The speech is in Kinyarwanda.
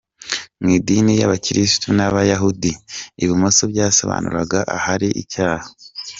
Mu idini y’Abakirisitu n’Abayahudi, ibumoso byasobanuraga ahari icyaha.